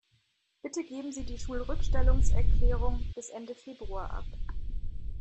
Bitte geben Sie die Schulrückstellungserklärung bis Ende Februar ab.